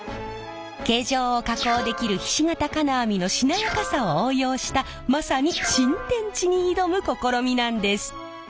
形状を加工できるひし形金網のしなやかさを応用したまさに新天地に挑む試みなんです！